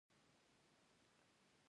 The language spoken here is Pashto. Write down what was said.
ترڅو د فعالیتونو په اړه سم قضاوت وکړو.